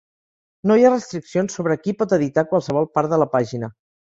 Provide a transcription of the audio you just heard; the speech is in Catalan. No hi ha restriccions sobre qui pot editar qualsevol part de la pàgina.